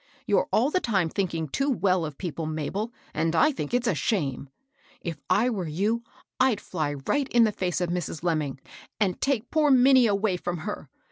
You're all the time thinking too well of people, Mabel; and I think it's a shame ! If I were you, I'd fly UNWELCOME NEWS. 119 right in the &.ce of Mrs. Lemming, and take poor Minnie away from her.